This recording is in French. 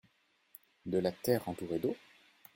De la terre entourée d’eau ?